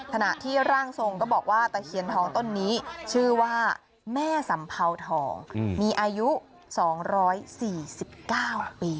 ขณะที่ร่างทรงก็บอกว่าตะเคียนทองต้นนี้ชื่อว่าแม่สัมเภาทองมีอายุ๒๔๙ปี